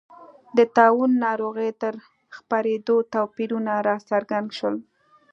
د طاعون ناروغۍ تر خپرېدو توپیرونه راڅرګند شول.